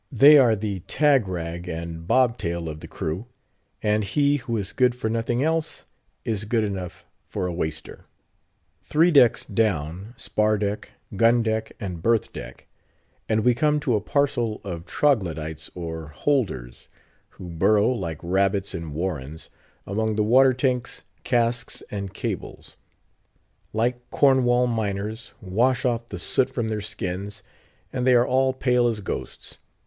They are the tag rag and bob tail of the crew; and he who is good for nothing else is good enough for a Waister. Three decks down—spar deck, gun deck, and berth deck—and we come to a parcel of Troglodytes or "holders," who burrow, like rabbits in warrens, among the water tanks, casks, and cables. Like Cornwall miners, wash off the soot from their skins, and they are all pale as ghosts.